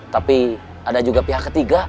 tapi ada juga pihak ketiga